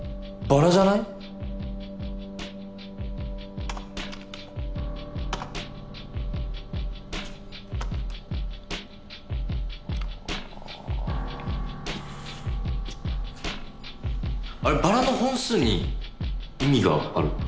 バラの本数に意味があるって。